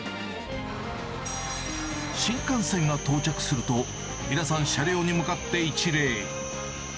新幹線が到着すると、皆さん、車両に向かって一礼。